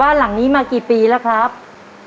ต่อไปอีกหนึ่งข้อเดี๋ยวเราไปฟังเฉลยพร้อมกันนะครับคุณผู้ชม